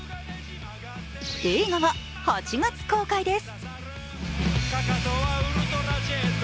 映画は８月公開です。